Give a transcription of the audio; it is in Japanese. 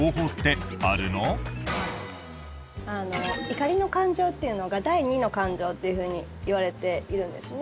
怒りの感情っていうのが第２の感情っていうふうにいわれているんですね。